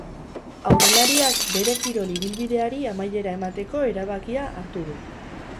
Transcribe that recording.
Aurrelariak bere kirol ibilbideari amaiera emateko erabakia hartu du.